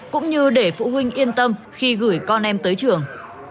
cũng như để phụ huynh yên tâm khi gửi con em tới trường